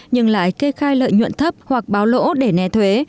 nhưng lại kê khai lợi nhuận thấp hoặc báo lỗ để né thuế